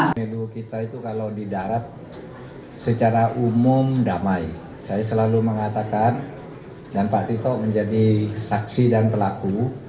pemilu kita itu kalau di darat secara umum damai saya selalu mengatakan dan pak tito menjadi saksi dan pelaku